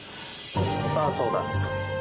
ああそうだ。